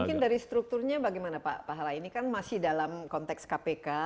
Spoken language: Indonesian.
jadi mungkin dari strukturnya bagaimana pak halay ini kan masih dalam konteks kpk